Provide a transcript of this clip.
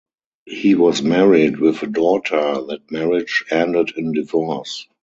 He was married with a daughter; that marriage ended in divorce.